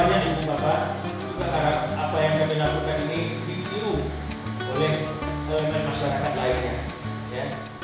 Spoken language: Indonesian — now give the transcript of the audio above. apa yang kami lakukan ini dikiru oleh masyarakat lainnya